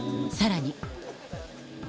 さらに。